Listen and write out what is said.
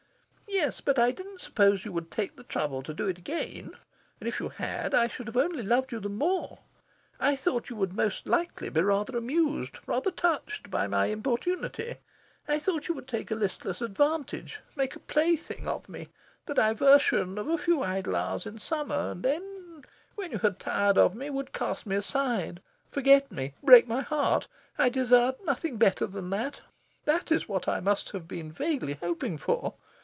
"Yes, but I didn't suppose you would take the trouble to do it again. And if you had, I should have only loved you the more. I thought you would most likely be rather amused, rather touched, by my importunity. I thought you would take a listless advantage, make a plaything of me the diversion of a few idle hours in summer, and then, when you had tired of me, would cast me aside, forget me, break my heart. I desired nothing better than that. That is what I must have been vaguely hoping for.